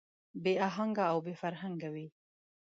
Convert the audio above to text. بې اهنګه او بې فرهنګه وي.